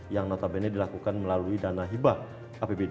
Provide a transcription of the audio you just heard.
yang notabene dilakukan melalui dana hibah apbd